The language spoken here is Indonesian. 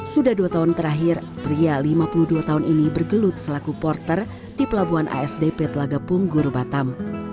sudah dua tahun terakhir pria lima puluh dua tahun ini bergelut selaku porter di pelabuhan asdp telaga punggur batam